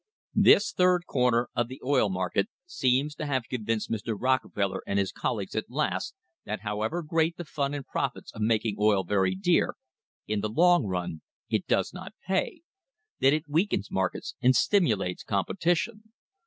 This third corner of the oil market seems to have con vinced Mr. Rockefeller and his colleagues at last that, how ever great the fun and profits of making oil very dear, in the long run it does not pay; that it weakens markets and stimulates competition.